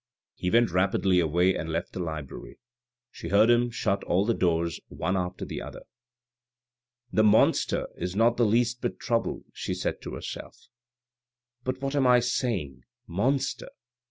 He went rapidly away and left the library ; she heard him shut all the doors one after the other. "The monster is not the least bit troubled," she said to herself. " But what am I saying ? Monster ?